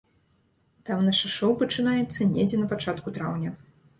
Там наша шоў пачынаецца недзе на пачатку траўня.